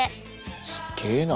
すげえな。